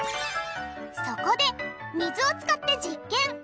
そこで水を使って実験！